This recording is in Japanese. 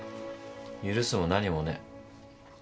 許すも何もね。